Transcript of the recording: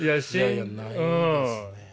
いやないですね。